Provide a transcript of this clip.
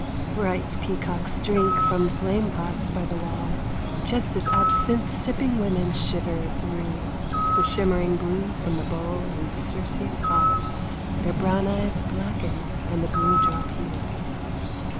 Bright peacocks drink from flame pots by the wall, Just as absinthe sipping women shiver through With shimmering blue from the bowl in Circe's hall. Their brown eyes blacken, and the blue drop hue.